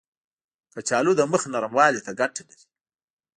کچالو د مخ نرموالي ته ګټه لري.